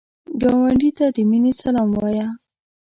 ګاونډي ته د مینې سلام وایه